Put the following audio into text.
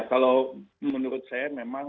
kalau menurut saya memang